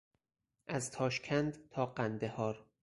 از تاشکند تا قندهار